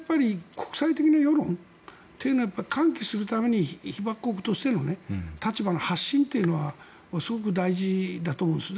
国際的な世論というのを喚起するために被爆国としての立場の発信はすごく大事だと思うんです。